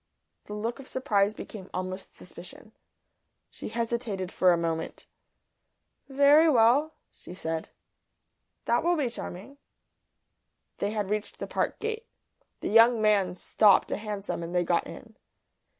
The look of surprise became almost suspicion. She hesitated for a moment. "Very well," she said. "That will be charming." They had reached the Park gate. The young man stopped a hansom and they got in.